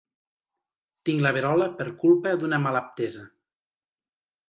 Tinc la verola per culpa d'una malaptesa.